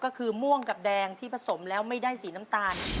ก็คือม่วงกับแดงที่ผสมแล้วไม่ได้สีน้ำตาล